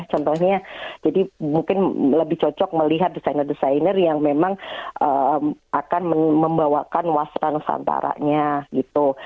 contohnya jadi mungkin lebih cocok melihat desainer desainer yang memang akan membawakan wasra nusantaranya gitu